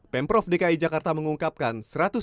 pemprov dki jakarta mengungkapkan